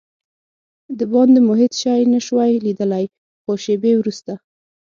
دباندې مو هېڅ شی نه شوای لیدلای، څو شېبې وروسته.